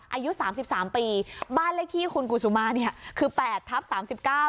อายุสามสิบสามปีบ้านเลขที่คุณกุศุมาเนี่ยคือแปดทับสามสิบเก้า